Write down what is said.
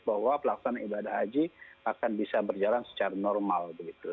bahwa pelaksanaan ibadah haji akan bisa berjalan secara normal